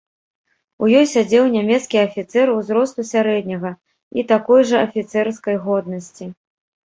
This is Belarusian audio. У ёй сядзеў нямецкі афіцэр, узросту сярэдняга і такой жа афіцэрскай годнасці.